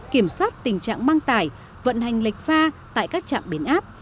kiểm soát tình trạng băng tải vận hành lệch pha tại các trạm biến áp